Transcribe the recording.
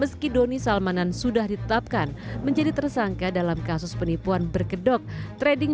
meski doni salmanan sudah ditetapkan menjadi tersangka dalam kasus penipuan berkedok trading